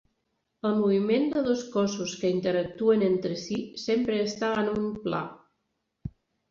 El moviment de dos cossos que interactuen entre si sempre està en un pla.